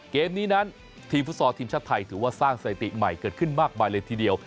เกมนี้นั้นทีมฟุตซอลทีมชาติไทยถือว่าสร้างสถิติใหม่เกิดขึ้นมากมายเลยทีเดียว